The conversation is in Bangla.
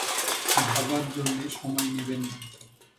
ভাবার জন্যে সময় নেবেন না।